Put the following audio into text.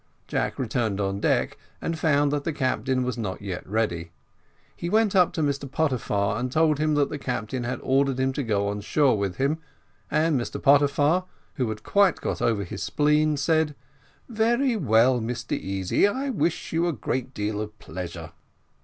Jack returned on deck, and found that the captain was not yet ready; he went up to Mr Pottyfar, and told him that the captain had ordered him to go on shore with him; and Mr Pottyfar, who had quite got over his spleen, said: "Very well, Mr Easy I wish you a great deal of pleasure."